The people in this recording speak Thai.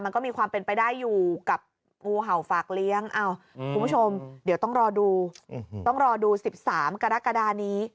มันก็มีความเป็นไปได้อยู่กับงูเห่าฝากเลี้ยงคุณผู้ชมเดี๋ยวต้องรอดูต้องรอดู๑๓กรกฎานี้